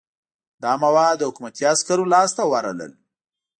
دا مواد د حکومتي عسکرو لاس ته ورغلل.